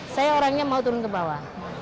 saya orangnya mau turun ke bawah